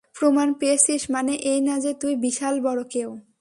প্রমাণ পেয়েছিস মানে এই না যে তুই বিশাল বড় কেউ!